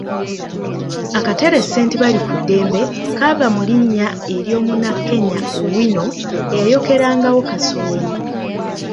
Akatale St. Balikuddembe kaava mu linnya eryo'munna Kenya Owino eyayokera ngawo kasooli.